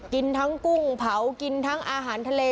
กินทั้งกุ้งเผากินทั้งอาหารทะเล